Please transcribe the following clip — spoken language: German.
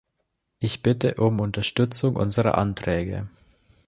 Ich bitte um Unterstützung unserer Anträge!